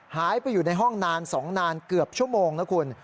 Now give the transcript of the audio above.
หายไปอยู่ในห้องนาน๒นานเกือบชั่วโมงนะคุณ